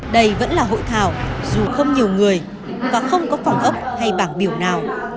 đây vẫn là hội thảo dù không nhiều người và không có phòng ấp hay bảng biểu nào